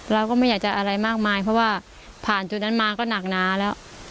เราก็ไม่อยากจะอะไรมากมายเพราะว่าผ่านจุดนั้นมาก็หนักหนาแล้ว